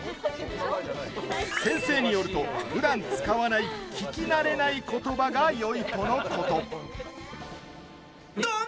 先生によると、普段使わない聞き慣れない言葉がよいとのこと。